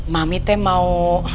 mami teh mau